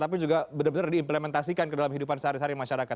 tapi juga benar benar diimplementasikan ke dalam hidupan sehari hari masyarakat